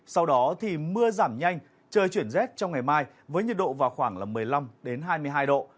sau đó thì mưa giảm nhanh trời chuyển rét trong ngày mai với nhiệt độ vào khoảng một mươi năm hai mươi hai độ